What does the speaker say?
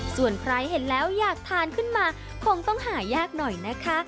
ส่วนใครเห็นแล้วอยากทานขึ้นมาคงต้องหายากหน่อยนะคะ